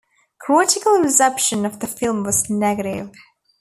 Critical reception of the film was negative.